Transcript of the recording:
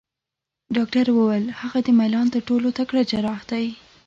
ډاکټر وویل: هغه د میلان تر ټولو تکړه جراح دی.